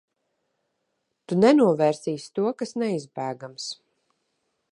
Tu nenovērsīsi to, kas neizbēgams.